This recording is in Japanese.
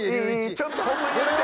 ちょっとホンマにやめて！